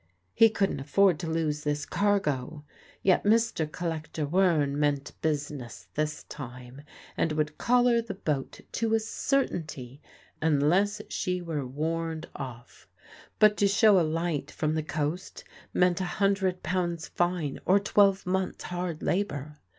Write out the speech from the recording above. He couldn't afford to lose this cargo; yet Mr. Collector Wearne meant business this time, and would collar the boat to a certainty unless she were warned off. But to show a light from the coast meant a hundred pounds fine or twelve months' hard labour.